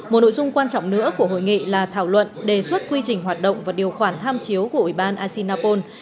một nội dung quan trọng nữa của hội nghị là thảo luận đề xuất quy trình hoạt động và điều khoản tham chiếu của ủy ban asinapol